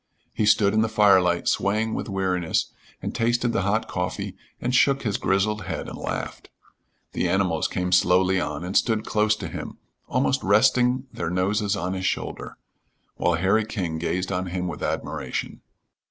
He stood in the firelight swaying with weariness and tasted the hot coffee and shook his grizzled head and laughed. The animals came slowly on and stood close to him, almost resting their noses on his shoulder, while Harry King gazed on him with admiration.